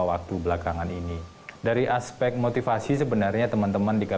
sebab kami percayakan itu akan menunggu bahkan ada beberapa yang tidak senang ketika